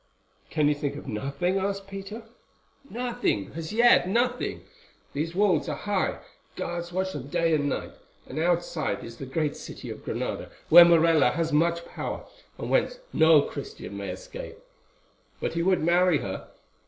"Can you think of nothing?" asked Peter. "Nothing—as yet nothing. These walls are high, guards watch them day and night, and outside is the great city of Granada where Morella has much power, and whence no Christian may escape. But he would marry her.